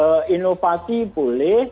tetapi tetap harus memperhatikan etika